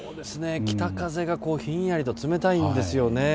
北風がひんやりと冷たいんですよね。